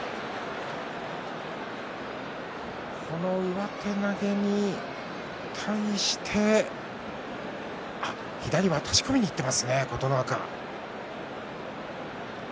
上手投げに対して左、渡し込みにいっていますね琴ノ若。